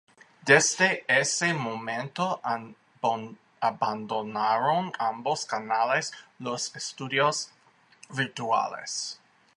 Desde ese momento abandonaron ambos canales los estudios virtuales.